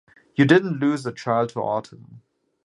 You didn't lose a child to autism.